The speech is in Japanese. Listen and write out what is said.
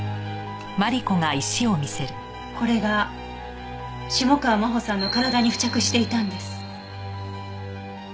これが下川真帆さんの体に付着していたんです。